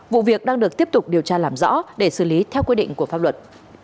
vụ việc đang được tiếp tục điều tra làm rõ để xử lý theo quy định của pháp luật